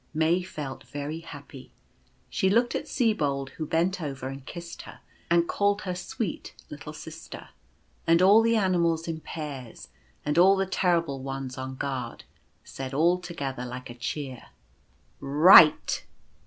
May felt very happy. She looked at Sibold, who bent over and kissed her, and called her " sweet little sister ;" and all the animals in pairs, and all the terrible ones on guard, said all together like a cheer :" Right!"